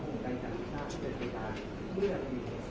ครับ